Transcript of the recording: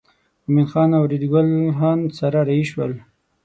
مومن خان او ریډي ګل خان سره رهي شول.